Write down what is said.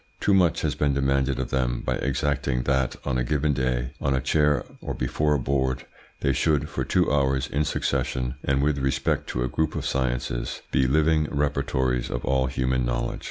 Too much has been demanded of them by exacting that on a given day, on a chair or before a board, they should, for two hours in succession, and with respect to a group of sciences, be living repertories of all human knowledge.